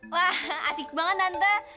wah asik banget tante